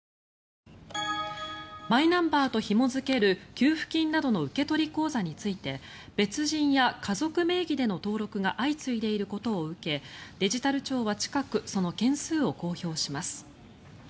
マイナンバーとひも付ける給付金などの受取口座について別人や家族名義での登録が相次いでいることを受けデジタル庁は近くその件数を公表します。